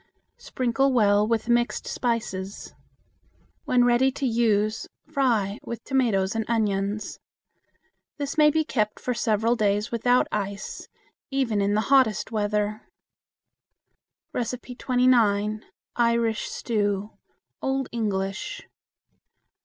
Sprinkle well with mixed spices. When ready to use, fry with tomatoes and onions. This may be kept for several days without ice, even in the hottest weather. 29. Irish Stew (Old English).